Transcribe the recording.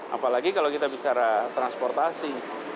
apalagi kalau kita bicara transportasi